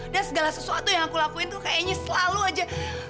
dan segala sesuatu yang aku lakuin tuh kayaknya selalu aja